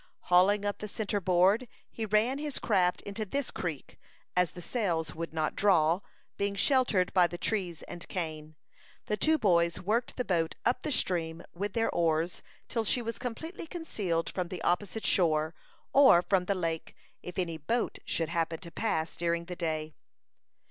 Hauling up the centre board, he ran his craft into this creek. As the sails would not draw, being sheltered by the trees and cane, the two boys worked the boat up the stream with their oars till she was completely concealed from the opposite shore, or from the lake, if any boat should happen to pass during the day.